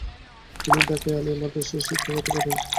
তিনি ঢাকার আলিয়া মাদ্রাসায় শিক্ষকতা করেন।